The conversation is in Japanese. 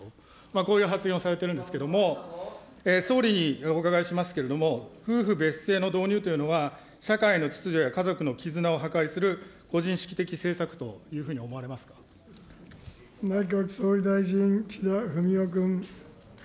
こういう発言をされているんですけれども、総理にお伺いしますけれども、夫婦別姓の導入というのは、社会の秩序や家族のきずなを破壊する個人主義的政策というふうに内閣総理大臣、岸田文雄君。